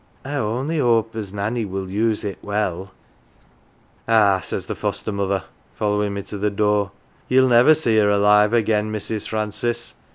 " I only hope as Nanny will use it well !" "Ah," says the foster mother, following me to the door, "yell never see her alive again, Mrs. Francis.